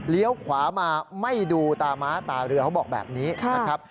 ขวามาไม่ดูตาม้าตาเรือเขาบอกแบบนี้นะครับ